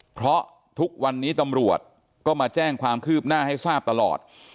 เพราะทุกวันนี้ตำรวจก็มาแจ้งความคืบหน้าให้ทราบตลอด